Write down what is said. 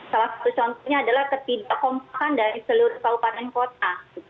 salah satu contohnya adalah ketidakompakan dari seluruh pautan kota